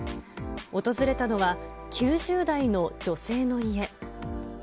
訪れたのは、９０代の女性の家。